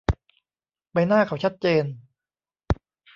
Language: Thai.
ใบหน้าเขาชัดเจน